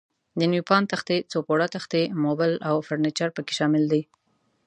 د نیوپان تختې، څو پوړه تختې، موبل او فرنیچر پکې شامل دي.